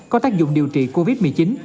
có tác dụng điều trị covid một mươi chín